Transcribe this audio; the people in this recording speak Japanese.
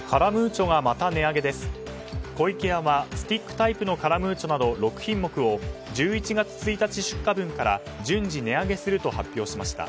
湖池屋はスティックタイプのカラムーチョなど６品目を１１月１日出荷分から順次、値上げすると発表しました。